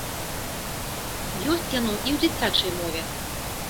Ёсць яно і ў дзіцячай мове.